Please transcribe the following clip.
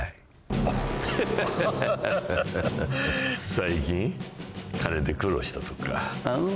最近金で苦労したとか。